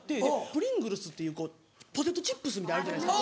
プリングルズっていうポテトチップスみたいなのあるじゃないですか。